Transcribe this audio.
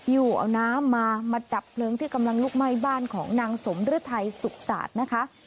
อยู่เอาน้ำมามาดับเพลิงที่กำลังลุกไหม้บ้านของนางสมฤทัยสุขศาสตร์นะคะ